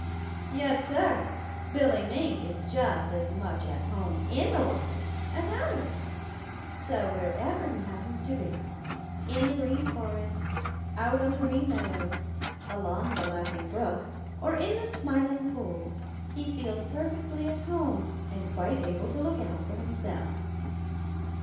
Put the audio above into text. Yes, Sir, Billy Mink is just as much at home in the water as out of it. So, wherever he happens to be, in the Green Forest, out on the Green Meadows, along the Laughing Brook, or in the Smiling Pool, he feels perfectly at home and quite able to look out for himself.